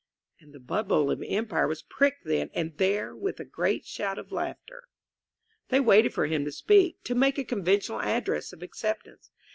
And the bubble of Empire was pricked then and there with a great shout of laughter. They waited for him to speak — ^to make a conven tional address of acceptance.